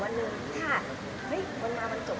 ทำแน่ที่ดีดีสิเป็นแม่ที่ดี